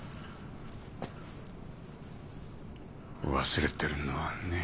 忘れてるのはね